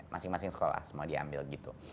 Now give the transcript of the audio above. masing masing sekolah semua diambil gitu